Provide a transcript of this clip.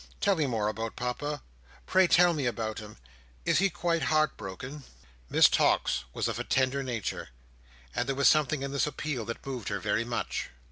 "Tell me more about Papa. Pray tell me about him! Is he quite heartbroken?" Miss Tox was of a tender nature, and there was something in this appeal that moved her very much.